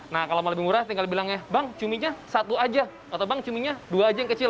nah kalau mau lebih murah tinggal bilang ya bang cuminya satu aja atau bang cuminya dua aja yang kecil